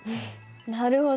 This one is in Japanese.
なるほど。